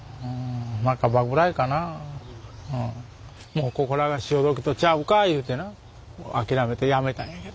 もうここらが潮時とちゃうかいうてな諦めてやめたんやけども。